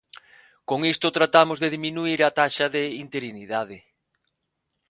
Con isto tratamos de diminuír a taxa de interinidade.